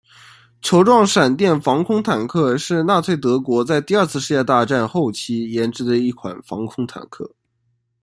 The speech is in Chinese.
球状闪电防空坦克是纳粹德国在第二次世界大战后期研制的一款防空坦克。